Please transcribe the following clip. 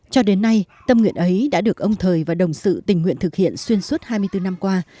cho đến nay tâm nguyện ấy đã được ông thời và đồng sự tình nguyện thực hiện xuyên suốt hai mươi bốn năm qua